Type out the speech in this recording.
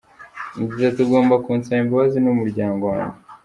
Yagize ati “Ugomba kunsaba imbabazi n’umuryango wanjye.